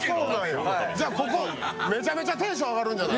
じゃ、ここ、めちゃめちゃテンション上がるんじゃない？